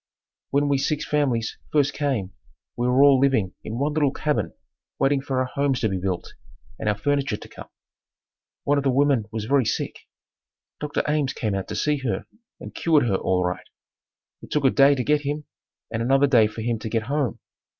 When we six families first came we were all living in one little cabin waiting for our homes to be built and our furniture to come. One of the women was very sick. Dr. Ames came out to see her and cured her all right. It took a day to get him and another day for him to get home.